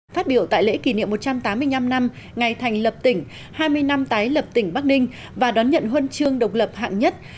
phát biểu tại lễ kỷ niệm một trăm tám mươi năm năm ngày thành lập tỉnh hai mươi năm tái lập tỉnh bắc ninh và đón nhận huân chương độc lập hạng nhất